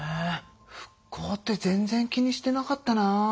復興って全然気にしてなかったな。